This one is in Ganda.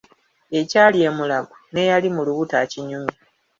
"Ekyali e Mulago, n'eyali mu lubuto akinyumya."